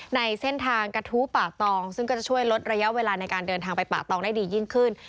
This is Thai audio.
ในเส้นทางกระทู้ป่าตองซึ่งก็จะช่วยลดระยะเวลาในการเดินทางไปป่าตองได้ดียิ่งขึ้น